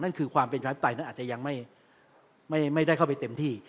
นั่นคือความเป็นชายศัพท์ไตอาจจะยังไม่ได้เข้าไปเต็มที่